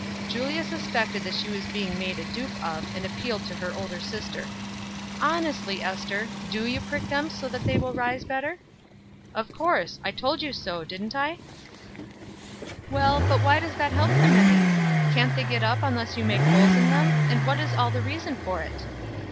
Julia suspected that she was being made a dupe of, and appealed to her older sister: "Honestly, Ester, do you prick them so they will rise better?" "Of course. I told you so, didn't I?" "Well, but why does that help them any? Can't they get up unless you make holes in them, and what is all the reason for it?"